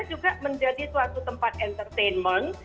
juga menjadi suatu tempat entertainment